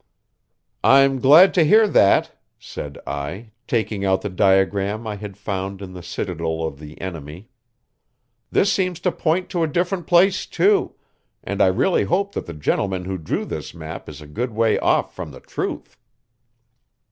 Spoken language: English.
"I'm glad to hear that," said I, taking out the diagram I had found in the citadel of the enemy. "This seems to point to a different place, too, and I really hope that the gentleman who drew this map is a good way off from the truth."